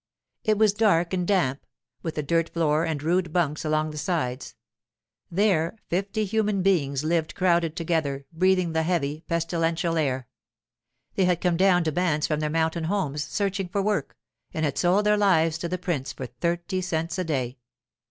It was dark and damp, with a dirt floor and rude bunks along the sides. There, fifty human beings lived crowded together, breathing the heavy, pestilential air. They had come down to bands from their mountain homes, searching for work, and had sold their lives to the prince for thirty cents a day.